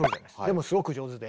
でもすごく上手で。